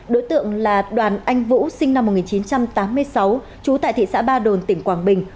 đối tượng là đoàn anh vũ sinh năm một nghìn chín trăm tám mươi sáu trú tại thị xã ba đồn tỉnh quảng bình